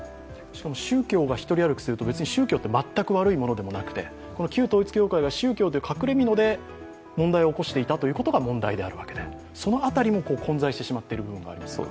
しかも宗教が一人歩きすると、宗教って全く悪いものではなくて旧統一教会が宗教という隠れみので問題を起こしていたことが問題で、その辺りが混在してしまっている部分もあると。